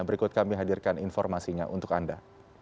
berikut kami hadirkan informasinya untuk anda